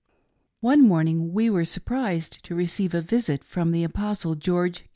One morning we were surprised to receive a visit from the Apostle George Q.